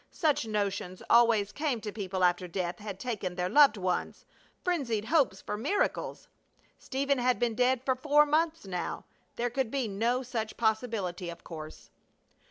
Such notions always came to people after death had taken their loved ones frenzied hopes for miracles! Stephen had been dead for four months now. There could be no such possibility, of course.